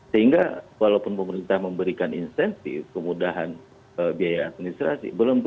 sehingga walaupun pemerintah memberikan insentif kemudahan biaya administrasi